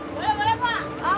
boleh boleh pak